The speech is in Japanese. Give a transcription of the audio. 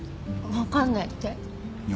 分かんないって？いや。